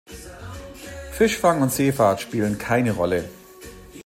Fischfang und Seefahrt spielen keine Rolle.